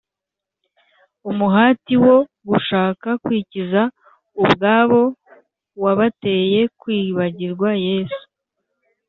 umuhati wo gushaka kwikiza ubwabo wabateye kwibagirwa yesu;